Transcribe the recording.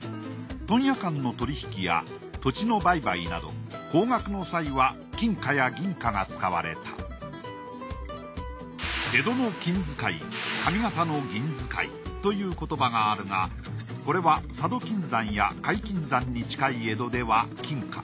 問屋間の取り引きや土地の売買など高額の際は金貨や銀貨が使われたという言葉があるがこれは佐渡金山や甲斐金山に近い江戸では金貨。